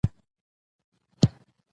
درخانۍ د پلار د کوره د هغې د وادۀ